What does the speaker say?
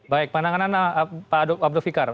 baik pandangan anda pak abdul fikar